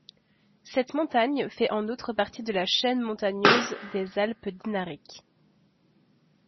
Cette montagne fait en outre partie de la chaîne montagneuse des Alpes dinariques.